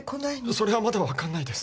それはまだわからないです。